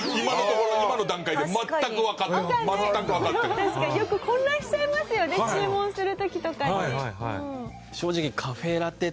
確かによく混乱しちゃいますよね注文する時とかに。